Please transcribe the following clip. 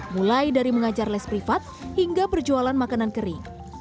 mulai dari mengajar les privat hingga berjualan makanan kering